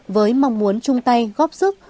với mong muốn chung tay góp sức